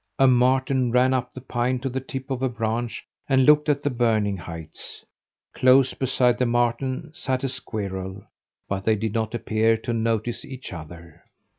A marten ran up the pine to the tip of a branch, and looked at the burning heights. Close beside the marten sat a squirrel, but they did not appear to notice each other.